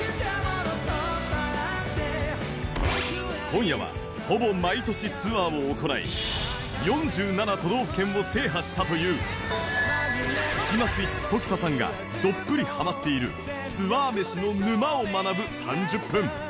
今夜はほぼ毎年ツアーを行い４７都道府県を制覇したというスキマスイッチ常田さんがどっぷりハマっているツアー飯の沼を学ぶ３０分